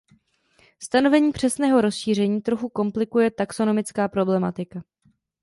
Stanovení přesného rozšíření trochu komplikuje taxonomická problematika.